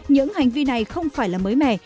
những hành vi này không phải là mới mẻ